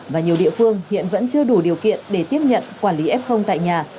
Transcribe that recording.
và nhiều địa phương hiện vẫn chưa đủ điều kiện để tiếp nhận quản lý f tại nhà